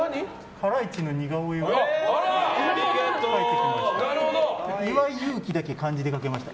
ハライチの似顔絵を描いてきました。